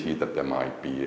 chúng tôi đang phát triển